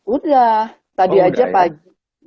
udah tadi aja pagi